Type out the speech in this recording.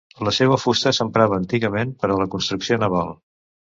La seua fusta s'emprava antigament per a la construcció naval.